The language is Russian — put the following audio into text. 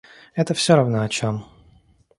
Это всё равно, о чем.